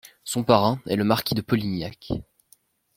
Son parrain est le marquis de Polignac.